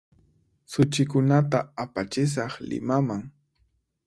Suchikunata apachisaq Limaman